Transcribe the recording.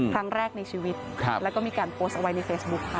ครั้งแรกในชีวิตแล้วก็มีการโพสต์เอาไว้ในเฟซบุ๊คค่ะ